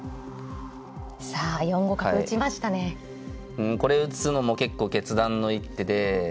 うんこれ打つのも結構決断の一手で。